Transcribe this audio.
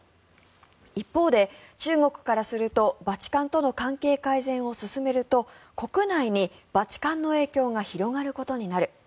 一方で、中国からするとバチカンとの関係改善を進めると国内にバチカンの影響が広がることになる。